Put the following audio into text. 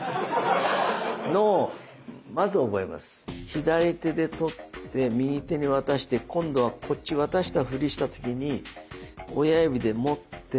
左手で取って右手に渡して今度はこっち渡したフリした時に親指で持って。